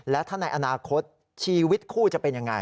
และถ้าในอนาคตชีวิตคู่จะเป็นยังไง